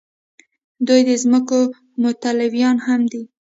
دوی د ځمکو متولیان هم دي.